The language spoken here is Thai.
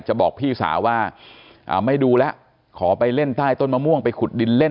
บอกพี่สาวว่าไม่ดูแล้วขอไปเล่นใต้ต้นมะม่วงไปขุดดินเล่น